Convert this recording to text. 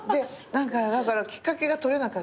だからきっかけがとれなかったり。